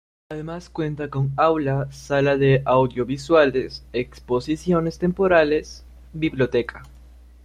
Además cuenta con Aula, Sala de audiovisuales, Exposiciones temporales, Biblioteca.